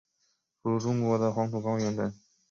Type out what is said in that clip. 如中国的黄土高原等。